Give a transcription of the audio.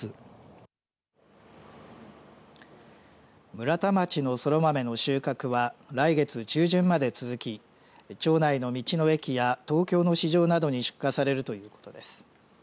村田町のそら豆の収穫は来月中旬まで続き町内の道の駅や東京の市場などに出荷されるということです。